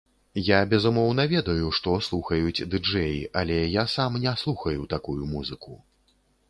Я безумоўна ведаю, што слухаюць ды-джэі, але я сам не слухаю такую музыку.